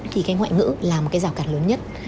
thì cái ngoại ngữ là một cái rào cản lớn nhất